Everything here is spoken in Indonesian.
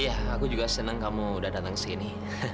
iya aku juga senang kamu udah datang sini